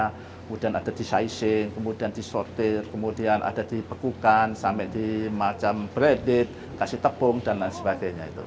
kemudian ada di sizing kemudian di sortir kemudian ada di pekukan sampai di macam breaded kasih tepung dan lain sebagainya itu